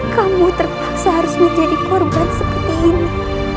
kamu terpaksa harus menjadi korban seperti ini